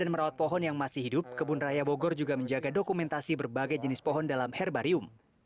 selain merawat pohon yang masih hidup kebun raya bogor juga menjaga dokumentasi berbagai jenis pohon dalam herbarium